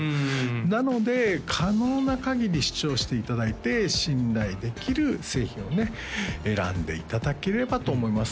なので可能なかぎり試聴していただいて信頼できる製品をね選んでいただければと思います